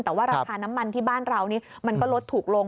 แต่ว่าราคาน้ำมันที่บ้านเรานี่มันก็ลดถูกลง